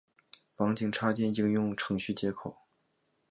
网景插件应用程序接口。